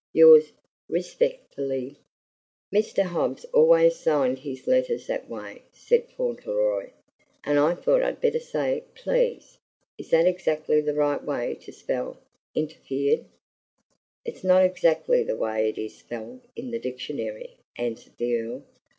Yours rispecferly, "FAUNTLEROY." "Mr. Hobbs always signed his letters that way," said Fauntleroy; "and I thought I'd better say 'please.' Is that exactly the right way to spell 'interfered'?" "It's not exactly the way it is spelled in the dictionary," answered the Earl.